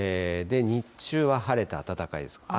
日中は晴れて暖かいです。